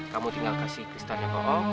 kamu tinggal kasih kristalnya ke om